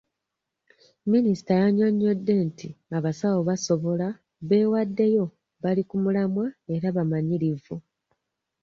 Minisita yannyonnyodde nti abasawo basobola, beewaddeyo, bali ku mulamwa era bamanyirivu.